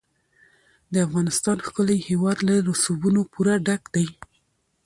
د افغانستان ښکلی هېواد له رسوبونو پوره ډک دی.